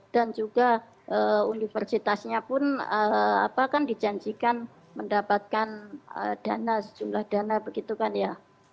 dan juga universitasnya pun apa kan dijanjikan mendapatkan dana sejumlah dana begitu kan ya